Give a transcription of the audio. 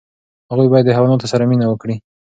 هغوی باید د حیواناتو سره مینه وکړي.